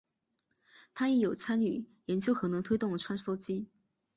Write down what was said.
他亦有参与研究核能推动的穿梭机。